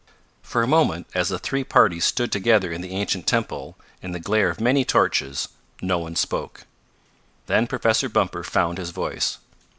For a moment, as the three parties stood together in the ancient temple, in the glare of many torches, no one spoke. Then Professor Bumper found his voice.